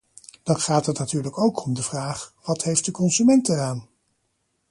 Dan gaat het natuurlijk ook om de vraag: wat heeft de consument eraan?